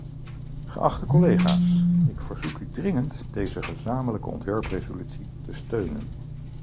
Geachte collega’s, ik verzoek u dringend deze gezamenlijke ontwerpresolutie te steunen.